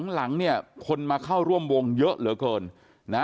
หลังเนี่ยคนมาเข้าร่วมวงเยอะเหลือเกินนะ